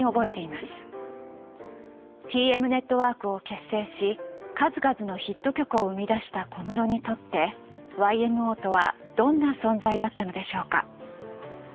ＴＭＮＥＴＷＯＲＫを結成し数々のヒット曲を生み出した小室にとってＹＭＯとはどんな存在だったのでしょうか。